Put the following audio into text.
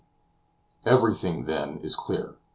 Everything, then, is clear.